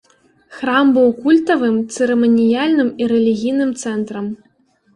Храм быў культавым, цырыманіяльным і рэлігійным цэнтрам.